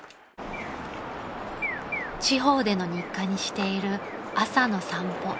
［地方での日課にしている朝の散歩］